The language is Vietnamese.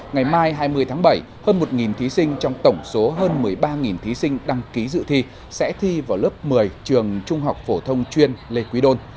ngày mai hai mươi tháng bảy hơn một thí sinh trong tổng số hơn một mươi ba thí sinh đăng ký dự thi sẽ thi vào lớp một mươi trường trung học phổ thông chuyên lê quý đôn